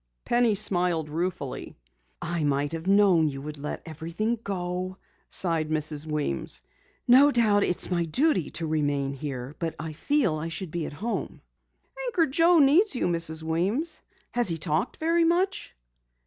Penny smiled ruefully. "I might have known you would let everything go," sighed Mrs. Weems. "No doubt it's my duty to remain here, but I feel I should be at home." "Anchor Joe needs you, Mrs. Weems. Has he talked very much?"